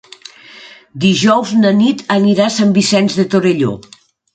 Dijous na Nit anirà a Sant Vicenç de Torelló.